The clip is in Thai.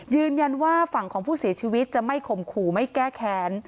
ยืนยันว่าฝั่งของผู้เสียชีวิตจะไม่ข่มขู่ไม่แก้แค้น